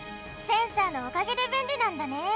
センサーのおかげでべんりなんだね！